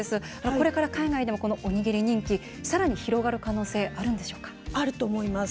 これから海外でもこのおにぎり人気、さらに広がるあると思います。